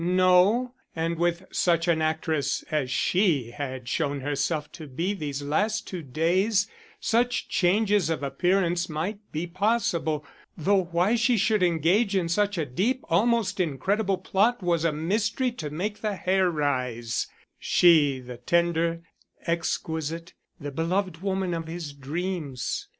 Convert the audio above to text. No, and with such an actress as she had shown herself to be these last two days, such changes of appearance might be possible, though why she should engage in such a deep, almost incredible plot was a mystery to make the hair rise, she, the tender, exquisite, the beloved woman of his dreams.